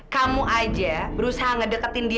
kamu aja berusaha ngedeketin dia